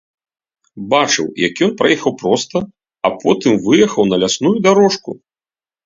Бачыў, як ён праехаў проста, а потым выехаў на лясную дарожку.